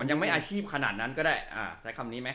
ยังไม่อาชีพขนาดนั้นก็ได้ใช้คำนี้ไหม